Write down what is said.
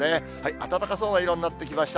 暖かそうな色になってきました。